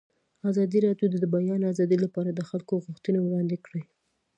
ازادي راډیو د د بیان آزادي لپاره د خلکو غوښتنې وړاندې کړي.